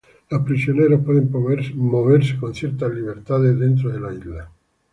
Los prisioneros pueden moverse con ciertas libertades dentro de la isla.